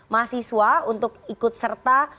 mahasiswa untuk ikut serta